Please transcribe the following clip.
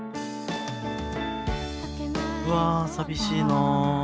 うわあ寂しいな。